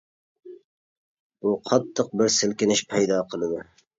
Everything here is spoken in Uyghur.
بۇ قاتتىق بىر سىلكىنىش پەيدا قىلىدۇ.